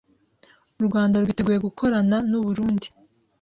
uRwanda rwiteguye gukorana n’u Burundi